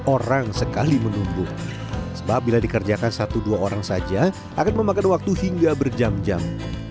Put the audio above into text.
orang sekali menunggu sebab bila dikerjakan satu dua orang saja akan memakan waktu hingga berjam jam